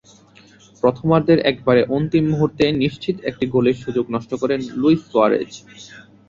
প্রথমার্ধের একেবারে অন্তিম মুহূর্তে নিশ্চিত একটি গোলের সুযোগ নষ্ট করেন লুইস সুয়ারেজ।